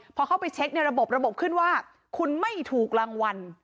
พอเข้าไปเช็คในระบบระบบขึ้นว่าคุณไม่ถูกรางวัล